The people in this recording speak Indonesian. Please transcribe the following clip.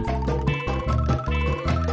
buat yang kamu nak